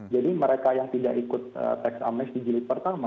jadi mereka yang tidak ikut tax amnesty jilid pertama